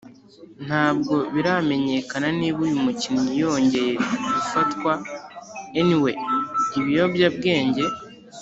ntabwo biramenyekana niba uyu mukinnyi yongeye gufatwa anyway ibiyobyabwenge